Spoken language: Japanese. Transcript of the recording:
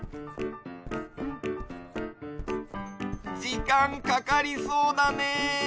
じかんかかりそうだね。